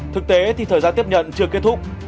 thực tế thì thời gian tiếp nhận chưa kết thúc